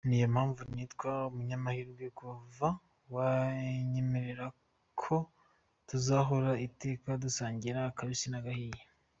Ni yo mpamvu nitwa umunyamahirwe kuva wanyemererako tuzahora iteka dusangira akabisi n’agahiye.